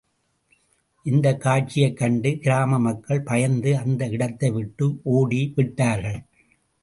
இந்தக் காட்சியைக் கண்டு கிராம மக்கள் பயந்து அந்த இடத்தைவிட்டு ஓடி விட்டார்கள்.